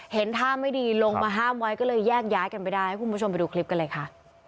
เห็นท่าไม่ดีลงมาห้ามไว้ก็เลยแยกย้ายกันไปได้ให้คุณผู้ชมไปดูคลิปกันเลยค่ะ